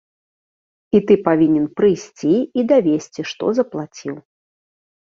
І ты павінен прыйсці і давесці, што заплаціў.